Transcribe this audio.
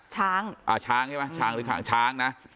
ช้างอ่าช้างใช่ไหมช้างหรือหางช้างนะ